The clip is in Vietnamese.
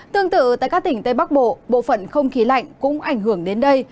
tương tự tại các tỉnh tây bắc bộ bộ phận không khí lạnh cũng ảnh hưởng đến đây